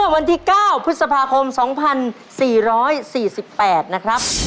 วันที่๙พฤษภาคม๒๔๔๘นะครับ